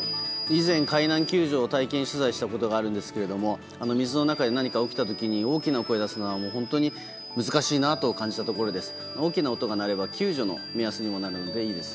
以前、海難救助を体験取材したことがあるんですが水の中で何か起きた時に大きな声出すのは本当に難しいなと感じたところです。